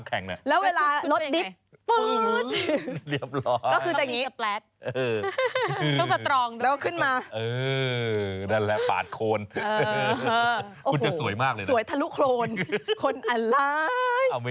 คุณรับไหมรับรับ